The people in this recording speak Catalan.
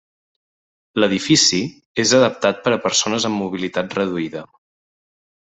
L'edifici és adaptat per a persones amb mobilitat reduïda.